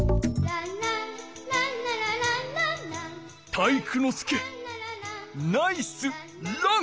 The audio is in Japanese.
体育ノ介ナイスラン！